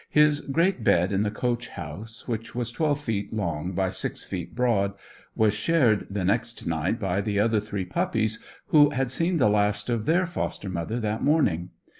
His great bed in the coach house, which was twelve feet long by six feet broad, was shared the next night by the other three puppies, who had seen the last of their foster mother that morning.